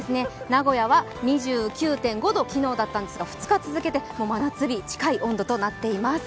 名古屋は２９．５度、昨日だったんですが、２日続けて真夏日近い温度となっています。